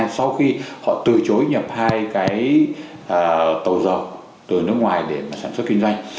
sau khi họ từ chối nhập hai cái tàu dầu từ nước ngoài để sản xuất kinh doanh